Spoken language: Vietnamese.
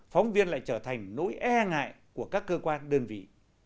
phóng viên lại trở thành nỗi e ngại của các cơ quan đơn vị